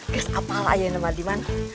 guys apalah ya neman diman